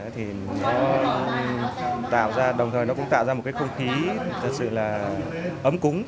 thì nó tạo ra đồng thời nó cũng tạo ra một cái không khí thật sự là ấm cúng